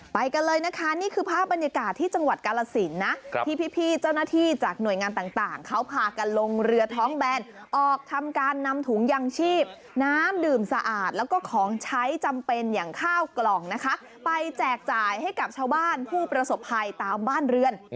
ไปกันเลยนะคะนี่คือภาพบรรยากาศที่จังหวัดกาลสินนะที่พี่เจ้าหน้าที่จากหน่วยงานต่างเขาพากันลงเรือท้องแบนออกทำการนำถุงยางชีพน้ำดื่มสะอาดแล้วก็ของใช้จำเป็นอย่างข้าวกล่องนะคะไปแจกจ่ายให้กับชาวบ้านผู้ประสบภัยตามบ้านเรือน